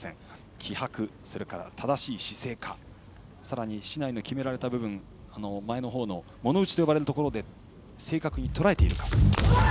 気迫、正しい姿勢かさらに竹刀の決められた部分前のほうの物打と呼ばれるところで正確にとらえているか。